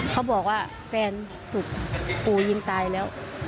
เขาบอกว่าแฟนถูกปู่ยิงตายแล้ว